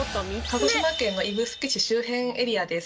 鹿児島県の指宿市周辺エリアです。